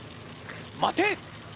待て！